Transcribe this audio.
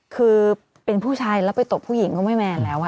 คือเป็นผู้ชายแล้วไปตบผู้หญิงก็ไม่แมนแล้ว